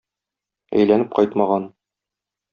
Әйләнеп кайтмаган.